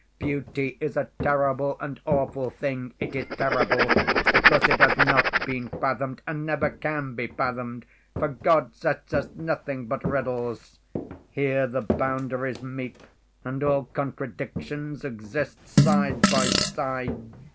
Beauty is a terrible and awful thing! It is terrible because it has not been fathomed and never can be fathomed, for God sets us nothing but riddles. Here the boundaries meet and all contradictions exist side by side.